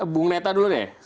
bung neta dulu deh